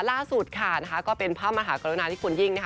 ล่าสุดค่ะก็เป็นภาพมหากรนานี่ภูมิยิ่งนะค่ะ